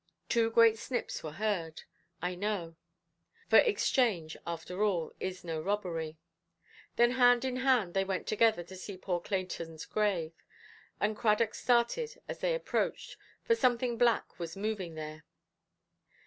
Two great snips were heard, I know; for exchange, after all, is no robbery. Then hand in hand they went together to see poor Claytonʼs grave, and Cradock started as they approached, for something black was moving there.